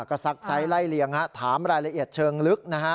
ก็ซักไส้ไร่เหลี่ยงอ่ะถามรายละเอียดเชิงลึก